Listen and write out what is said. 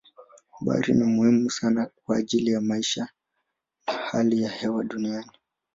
Bahari ni muhimu sana kwa ajili ya maisha na hali ya hewa duniani.